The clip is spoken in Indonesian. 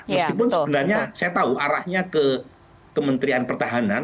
meskipun sebenarnya saya tahu arahnya ke kementerian pertahanan